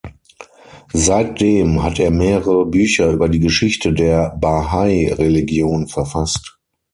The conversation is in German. Seitdem hat er mehrere Bücher über die Geschichte der Bahai-Religion verfasst.